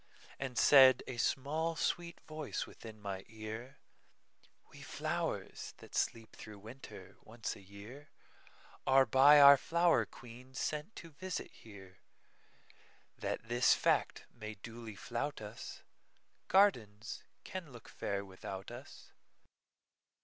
And said a small, sweet voice within my ear:"We flowers, that sleep through winter, once a yearAre by our flower queen sent to visit here, That this fact may duly flout us,—Gardens can look fair without us.